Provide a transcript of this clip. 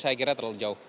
saya kira terlalu jauh